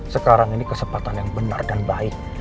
sekarang ini kesempatan yang benar dan baik